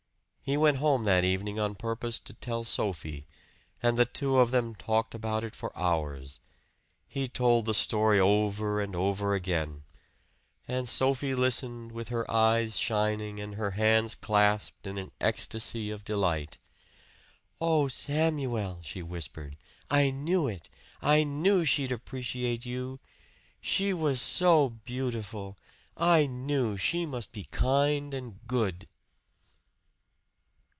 He went home that evening on purpose to tell Sophie; and the two of them talked about it for hours. He told the story over and over again. And Sophie listened, with her eyes shining and her hands clasped in an ecstasy of delight. "Oh, Samuel!" she whispered. "I knew it I knew she'd appreciate you! She was so beautiful I knew she must be kind and good!"